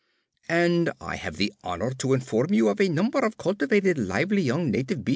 And I have the honour to inform you of a number of cultivated lively young native B.